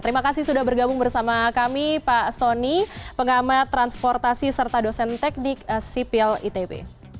terima kasih sudah bergabung bersama kami pak soni pengamat transportasi serta dosen teknik sipil itb